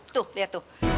tuh liat tuh